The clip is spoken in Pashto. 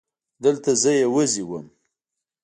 دلته زه يوازې وم.